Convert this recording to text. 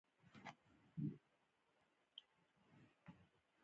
علم شتمني ده چې هر وخت او هر چېرته یې څښتن یاست.